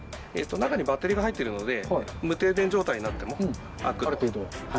中にバッテリーが入っているので、停電状態になってもある程度。